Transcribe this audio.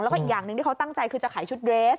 แล้วก็อีกอย่างหนึ่งที่เขาตั้งใจคือจะขายชุดเรส